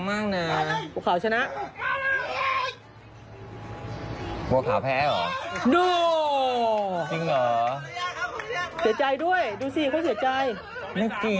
เซียะใจด้วยดูสิเขาเซียะใจ